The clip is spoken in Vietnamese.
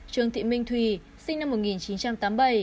trương thị minh thùy sinh năm một nghìn chín trăm tám mươi bảy